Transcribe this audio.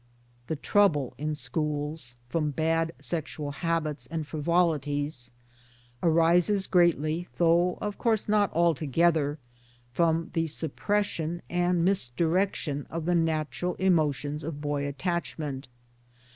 The trouble in schools from bad sexual habits and frivolities arises greatly though of course not altogether from the suppression and misdirection of the natural emotions of boy attach ment.